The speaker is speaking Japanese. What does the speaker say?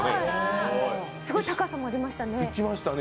すごい高さもありましたね。